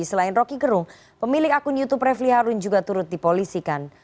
selain roky gerung pemilik akun youtube revli harun juga turut dipolisikan